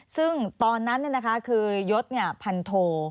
ซึ่งตอนนั้นเนี่ยนะคะคือยศเนี่ยพันโท